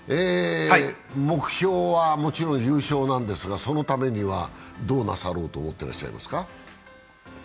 目標はもちろん優勝なんですが、そのためにはどうなさろうと思っていらっしゃいますか？